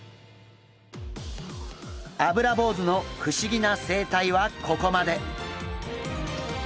アブラボウズの不思議な生態はここまで。